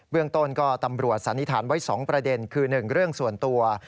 เรื่องต้นก็ตำรวจสันนิษฐานไว้๒ประเด็นคือ๑เรื่องส่วนตัว